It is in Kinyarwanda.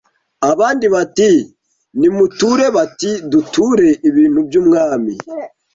Abandi bati Nimuture Bati Duture ibintu by' umwami